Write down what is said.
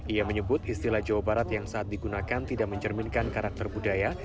ia menyebut istilah jawa barat yang saat digunakan tidak mencerminkan karakter budaya